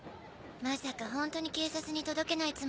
まさかホントに警察に届けないつもり？